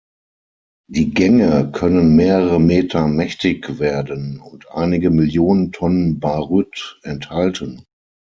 Die Gänge können mehrere Meter mächtig werden und einige Millionen Tonnen Baryt enthalten.